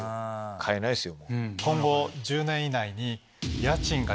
買えないですよ。